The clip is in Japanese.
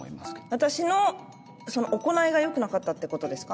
私のその行いが良くなかったってことですか？